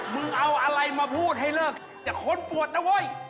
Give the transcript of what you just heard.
มึงเอาอะไรมาพูดให้เลิกอย่าค้นปวดนะเว้ย